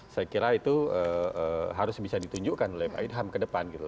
saya kira itu harus bisa ditunjukkan oleh pak ilham ke depan gitu